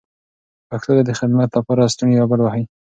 پښتو ته د خدمت لپاره لستوڼي را بډ وهئ.